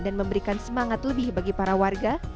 dan memberikan semangat lebih bagi para warga